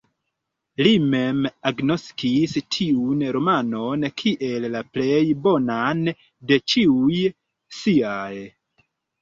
Li mem agnoskis tiun romanon kiel la plej bonan de ĉiuj siaj.